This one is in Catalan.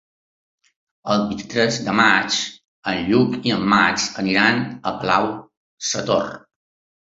El vint-i-tres de maig en Lluc i en Max aniran a Palau-sator.